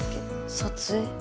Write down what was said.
撮影？